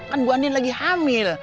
kan bu ani lagi hamil